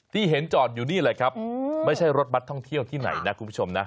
ที่เห็นจอดอยู่นี่แหละครับไม่ใช่รถบัตรท่องเที่ยวที่ไหนนะคุณผู้ชมนะ